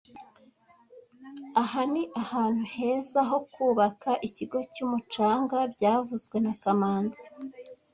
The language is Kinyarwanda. Aha ni ahantu heza ho kubaka ikigo cyumucanga byavuzwe na kamanzi